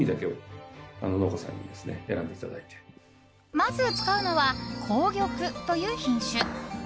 まず使うのは紅玉という品種。